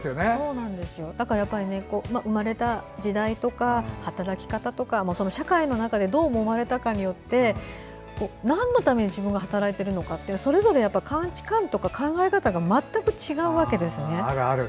だから、生まれた時代とか働き方とか社会の中でどうもまれたかによってなんのために自分が働いているとかそれぞれ価値観とか考え方がまったく違うわけですね。